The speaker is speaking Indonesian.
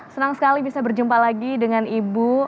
senang sekali bisa berjumpa lagi dengan ibu